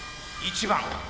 １番。